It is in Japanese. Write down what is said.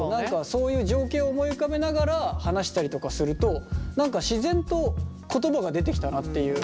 そういう情景を思い浮かべながら話したりとかすると何か自然と言葉が出てきたなっていう。